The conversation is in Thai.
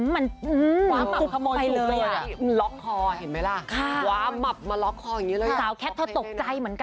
มันก็ยังน่ารักอยู่